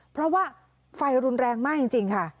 เพราะว่าไฟรุนแรงมากจริงค่ะ